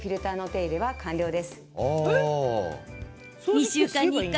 ２週間に１回。